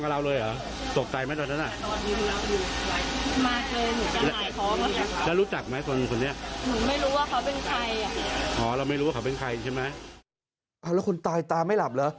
เอาแล้วคนตายตาไม่หลับเหรอ